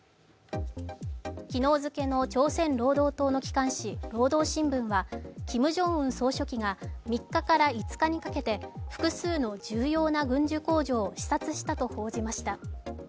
昨日付けの朝鮮労働党の機関紙「労働新聞」はキム・ジョンウン総書記が３日から５日にかけて複数の重要な軍需工場を視察したと報じました。